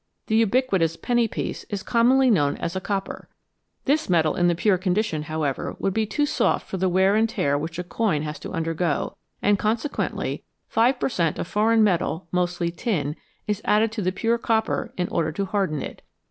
The ubiquitous penny piece is commonly known as " a 74 TWO METALS BETTER THAN ONE copper/' This metal in the pure condition, however, would be too soft for the wear and tear which a coin has to undergo, and consequently 5 per cent, of foreign metal (mostly tin) is added to the pure copper in order to harden it.